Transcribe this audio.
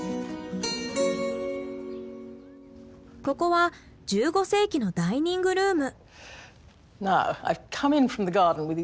ここは１５世紀のダイニングルーム。